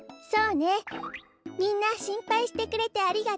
みんなしんぱいしてくれてありがとう。